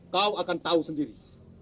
kau akan tahu sendiri